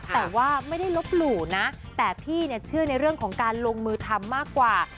แต่ว่าไม่ได้ลบหลู่นะแต่พี่เนี่ยเชื่อในเรื่องของการลงมือทำมากกว่า